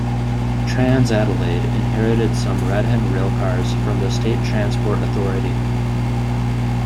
TransAdelaide inherited some Redhen railcars from the State Transport Authority.